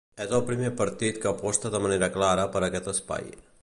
És el primer partit que aposta de manera clara per aquest espai.